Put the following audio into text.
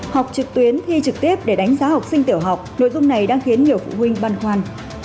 học trực tuyến thi trực tiếp để đánh giá học sinh tiểu học nội dung này đang khiến nhiều phụ huynh băn khoăn